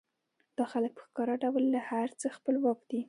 دا خلک په ښکاره ډول له هر څه خپلواک دي